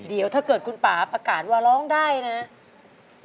เดี๋ยวถ้าเกิดคุณป่าประกาศว่าร้องได้นะครับ